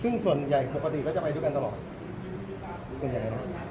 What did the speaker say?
ซึ่งส่วนใหญ่ปกติก็จะไปด้วยกันตลอดส่วนใหญ่